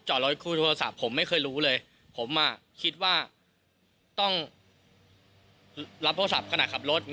รถคู่โทรศัพท์ผมไม่เคยรู้เลยผมคิดว่าต้องรับโทรศัพท์ขนาดขับรถ